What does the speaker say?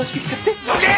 どけ！